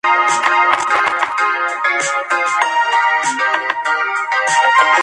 Más adelante Van Eyck fue a Hollywood, donde hubo de trabajar como camionero.